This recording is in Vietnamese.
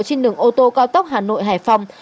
trên đường ô tô cao tốc hà nội hải phòng